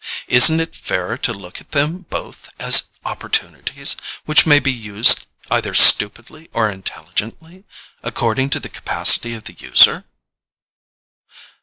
Isn't it fairer to look at them both as opportunities, which may be used either stupidly or intelligently, according to the capacity of the user?"